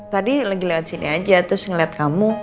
tadi lagi lewat sini aja terus ngeliat kamu